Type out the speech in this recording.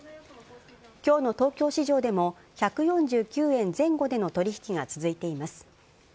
きょうの東京市場でも、１４９円前後での取り引きが続いています。